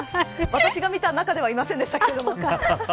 私が見た中ではいませんでしたけれども。